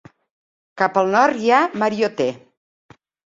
Cap al nord hi ha Mariotte.